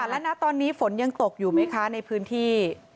แล้วนะตอนนี้ฝนยังตกอยู่ไหมคะในพื้นที่